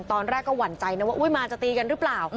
ตอนแรกก็หวั่นใจนะว่าอุ๊ยมาจะตีกันหรือเปล่า